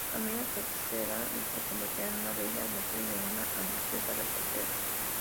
Camila crecerá y se convertirá en una bella mujer y en una ambiciosa reportera.